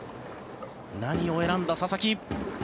何を選んだ佐々木。